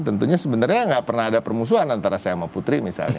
tentunya sebenarnya nggak pernah ada permusuhan antara saya sama putri misalnya